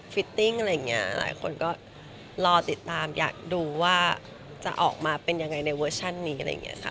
ฟิตติ้งอะไรอย่างเงี้ยหลายคนก็รอติดตามอยากดูว่าจะออกมาเป็นยังไงในเวอร์ชันนี้อะไรอย่างนี้ค่ะ